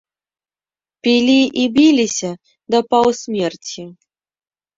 Пілі і біліся да паўсмерці.